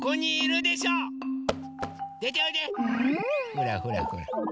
ほらほらほら。